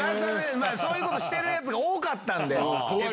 そういうことしてるヤツが多かったんで。